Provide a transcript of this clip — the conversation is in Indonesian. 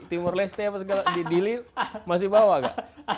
sampai umur leste apa segala di dili masih bawa nggak